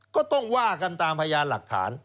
ก็ต้องว่ากันตามพยานหลักฐาน